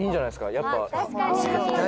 やっぱ」